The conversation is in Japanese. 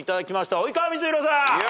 及川光博さん。